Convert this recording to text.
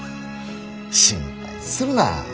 心配するな。